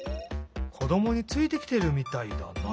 こどもについてきてるみたいだなあ。